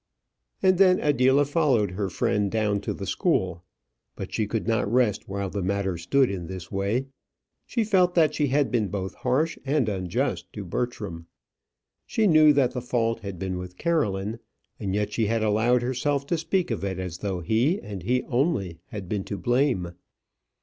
And then Adela followed her friend down to the school. But she could not rest while the matter stood in this way. She felt that she had been both harsh and unjust to Bertram. She knew that the fault had been with Caroline; and yet she had allowed herself to speak of it as though he, and he only, had been to blame.